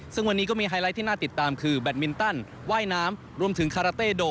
ซึ่งวันนี้ก็มีไฮไลท์ที่น่าติดตามคือแบตมินตันว่ายน้ำรวมถึงคาราเต้โด